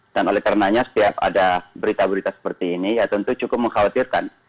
dan oleh karenanya setiap ada berita berita seperti ini ya tentu cukup mengkhawatirkan